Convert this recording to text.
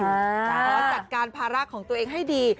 ขอจัดการภาระของตัวเองให้ดี